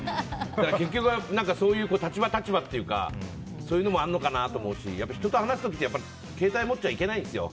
結局、そういう立場とかそういうのもあるのかなと思うし人と話す時携帯もっちゃいけないんですよ。